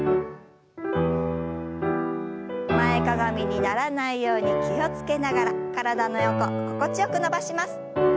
前かがみにならないように気を付けながら体の横心地よく伸ばします。